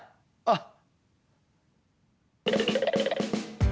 あっ。